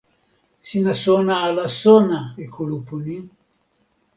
sina sona ala sona e kulupu ni?